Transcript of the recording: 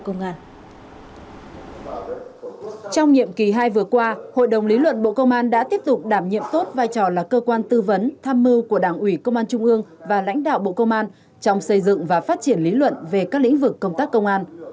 ngày vừa qua hội đồng lý luận bộ công an đã tiếp tục đảm nhiệm tốt vai trò là cơ quan tư vấn tham mưu của đảng ủy công an trong xây dựng và phát triển lý luận về các lĩnh vực công tác công an